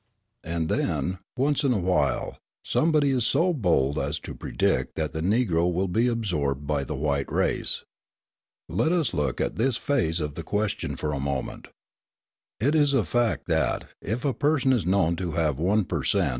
And then, once in a while, somebody is so bold as to predict that the Negro will be absorbed by the white race. Let us look at this phase of the question for a moment. It is a fact that, if a person is known to have one per cent.